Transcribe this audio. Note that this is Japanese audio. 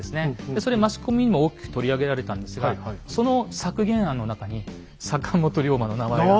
それマスコミにも大きく取り上げられたんですがその削減案の中に坂本龍馬の名前があったんですね。